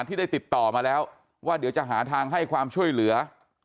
ที่ได้ติดต่อมาแล้วว่าเดี๋ยวจะหาทางให้ความช่วยเหลือ